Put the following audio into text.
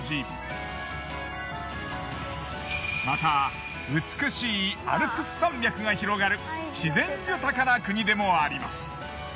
また美しいアルプス山脈が広がる自然豊かな国でもあります。